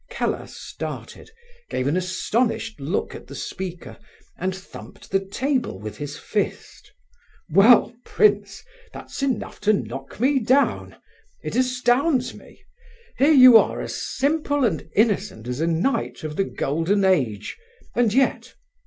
Keller started, gave an astonished look at the speaker, and thumped the table with his fist. "Well, prince, that's enough to knock me down! It astounds me! Here you are, as simple and innocent as a knight of the golden age, and yet...